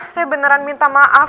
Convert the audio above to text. saya beneran minta maaf